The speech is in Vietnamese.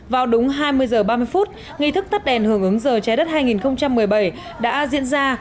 vào đúng hai mươi h ba mươi phút nghi thức tắt đèn hưởng ứng giờ trái đất hai nghìn một mươi bảy đã diễn ra